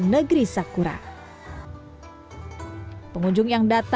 negeri sakura pengunjung yang datang langsung disambut dengan suami sama sama dan berkata